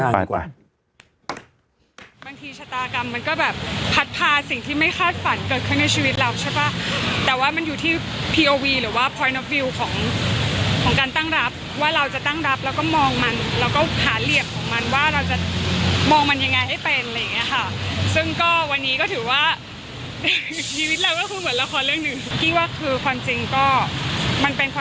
มันเป็นความจริงที่มันไม่มีวันเปลี่ยนแต่อยู่แล้ว